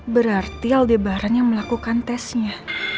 berarti aldebaran yang melakukan tesnya